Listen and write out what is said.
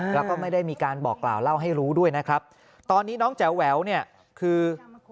แล้วก็ไม่ได้มีการบอกกล่าวเล่าให้รู้ด้วยนะครับตอนนี้น้องแจ๋วแหววเนี่ยคือ